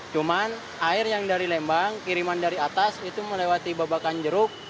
cuman air yang dari lembang kiriman dari atas itu melewati babakan jeruk